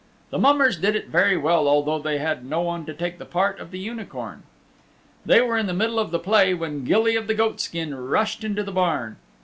The mummers did it very well although they had no one to take the part of the Unicorn. They were in the middle of the play when Gilly of the Goatskin rushed into the barn.